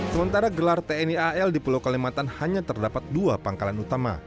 sementara gelar tni al di pulau kalimantan hanya terdapat dua pangkalan utama